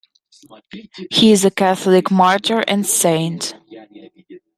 He is a Catholic martyr and saint.